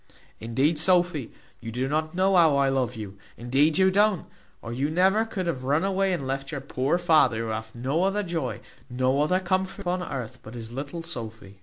Indeed, Sophy, you do not know how I love you, indeed you don't, or you never could have run away and left your poor father, who hath no other joy, no other comfort upon earth, but his little Sophy."